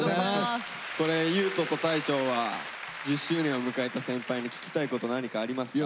これ優斗と大昇は１０周年を迎えた先輩に聞きたいこと何かありますか？